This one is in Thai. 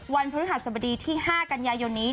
พฤหัสบดีที่๕กันยายนนี้